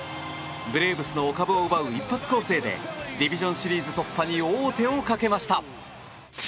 ブレーブスのお株を奪う一発攻勢でディビジョンシリーズ突破に王手をかけました。